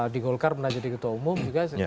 di golkar pernah jadi ketua umum juga